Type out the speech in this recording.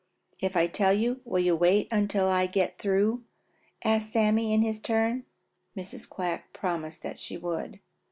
"If I tell you, will you wait until I get quite through?" asked Sammy in his turn. Mrs. Quack promised that she would.